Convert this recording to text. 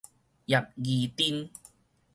葉宜津